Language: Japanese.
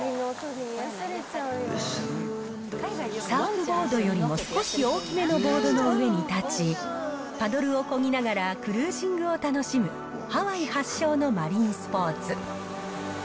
サーフボードよりも少し大きめのボードの上に立ち、パドルをこぎながらクルージングを楽しむ、ハワイ発祥のマリンスポーツ。